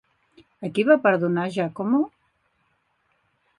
A qui va perdonar Giacomo?